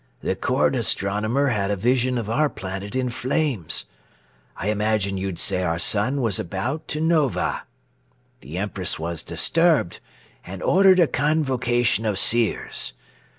"The court astronomer had a vision of our planet in flames. I imagine you'd say our sun was about to nova. The empress was disturbed and ordered a convocation of seers.